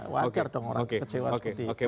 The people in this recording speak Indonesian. wajar dong orang kecewa seperti itu